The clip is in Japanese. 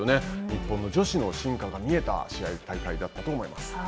日本の女子の進化が見えた、試合、大会だったと思います。